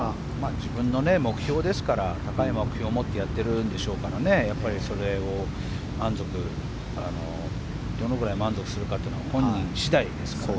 自分の目標ですから高い目標を持ってやってるんでしょうからやっぱりそれをどのぐらい満足するかというのは本人次第ですからね。